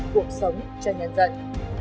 cuộc sống cho nhân dân